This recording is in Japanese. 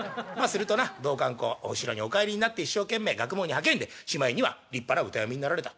するとな道灌公お城にお帰りになって一生懸命学問に励んでしまいには立派な歌詠みになられた」。